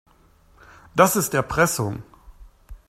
Das ist Erpressung.